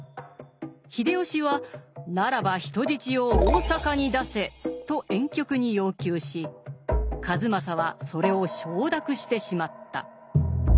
秀吉は「ならば人質を大坂に出せ」と婉曲に要求し数正はそれを承諾してしまった。